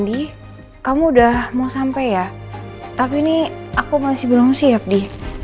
di kamu udah mau sampai ya tapi ini aku masih belum siap di